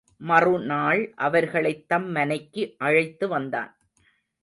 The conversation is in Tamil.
மறுநாள் அவர்களைத் தம் மனைக்கு அழைத்து வந்தான்.